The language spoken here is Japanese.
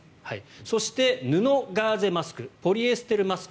そして、布・ガーゼマスクポリエステルマスク